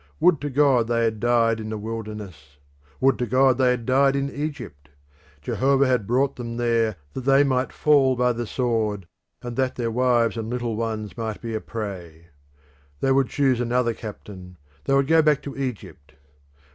Would to God they had died in the wilderness! Would to God they had died in Egypt! Jehovah had brought them there that they might fall by the sword, and that their wives and little ones might be a prey. They would choose another captain; they would go back to Egypt.